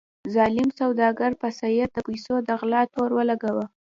ظالم سوداګر په سید د پیسو د غلا تور ولګاوه.